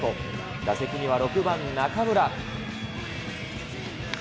打席には６番中村。